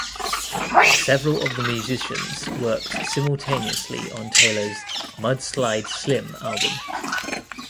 Several of the musicians worked simultaneously on Taylor's "Mud Slide Slim" album.